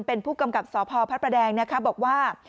เป็นผู้กำกับสพพระแดงบอกว่า